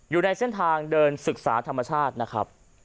อยู่ในเส้นทางเดินศึกษาธรรมชาตินะครับ